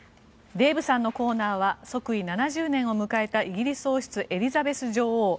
デーブさんのコーナーは即位７０年を迎えたイギリス王室、エリザベス女王。